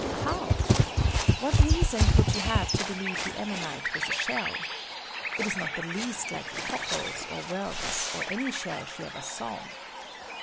How? What reason could she have to believe the Ammonite was a shell? It is not the least like cockles, or whelks, or any shell she ever saw.